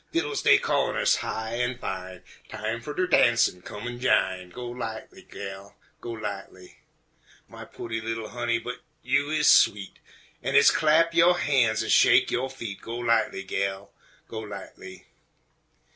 Fiddles dey callin' us high an' fine, "Time fer de darnsin', come an' jine," Go lightly, gal, go lightly! My pooty li'l honey, but you is sweet! An' hit's clap yo' han's an' shake yo' feet, Go lightly, gal, go lightly!